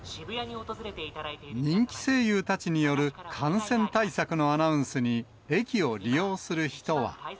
人気声優たちによる感染対策のアナウンスに、駅を利用する人は。